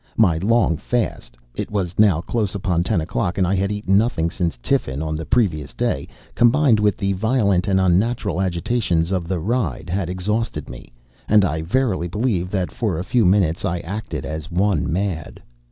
My long fast it was now close upon ten o'clock, and I had eaten nothing since tiffin on the previous day combined with the violent and unnatural agitation of the ride had exhausted me, and I verily believe that, for a few minutes, I acted as one mad.